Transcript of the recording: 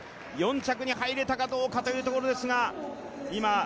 ４着に入れたかどうかというところですが。